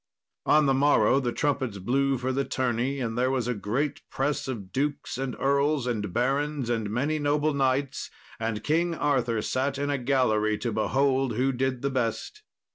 On the morrow the trumpets blew for the tourney, and there was a great press of dukes and earls and barons and many noble knights; and King Arthur sat in a gallery to behold who did the best.